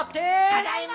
ただいま！